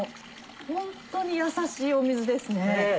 ホントにやさしいお水ですね。